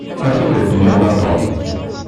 Ar tikkelt-nniḍen a Tom.